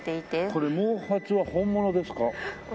これ毛髪は本物ですか？